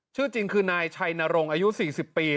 ชื่อจริงคือนายชัยนรงค์อายุ๔๐ปี